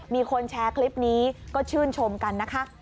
มีคนแชร์คลิปนี้ก็ชื่นชมกันนะคะ